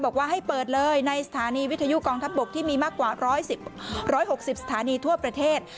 บอกว่าให้เปิดเลยในสถานีวิทยุกองทัพบกที่มีมากกว่า๑๖๐สถานีทั่วประเทศ